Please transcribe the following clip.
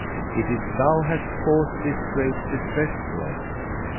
it is thou hast caused this great distress to us!"